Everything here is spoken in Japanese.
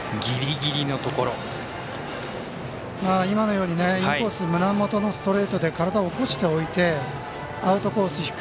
今のようにインコース胸元のストレートで体を起こしておいてアウトコース